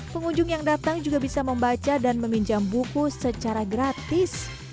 pengunjung yang datang juga bisa membaca dan meminjam buku secara gratis